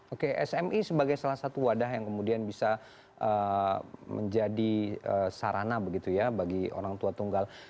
oke smi sebagai salah satu wadah yang kemudian bisa menjadi sarana begitu ya bagi orang tua tunggal